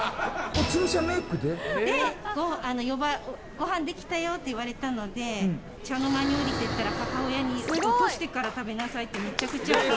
ごはんできたよって言われたので茶の間に下りていったら母親に落としてから食べなさいってめちゃくちゃ言われて。